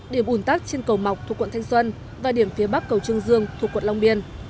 điểm ủn tắc trên cầu mọc thuộc quận thanh xuân và điểm phía bắc cầu trương dương thuộc quận long biên